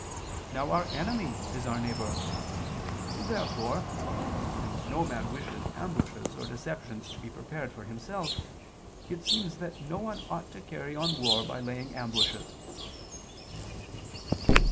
Now our enemy is our neighbor. Therefore, since no man wishes ambushes or deceptions to be prepared for himself, it seems that no one ought to carry on war by laying ambushes.